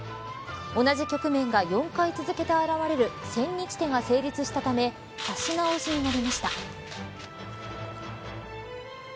同じ局面が４回続けて現れる千日手が成立したため指し直しになりました。